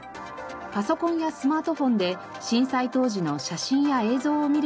パソコンやスマートフォンで震災当時の写真や映像を見る事ができます。